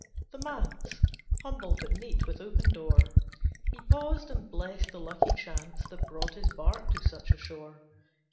the manse, Humble but neat with open door! He paused, and blest the lucky chance That brought his bark to such a shore.